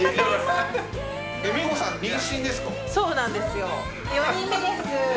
そうなんですよ。